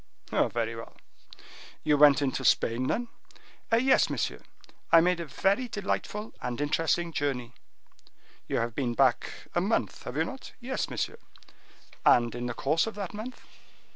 "Very well! You went into Spain, then?" "Yes, monsieur, I made a very delightful and interesting journey." "You have been back a month, have you not?" "Yes, monsieur." "And in the course of that month?"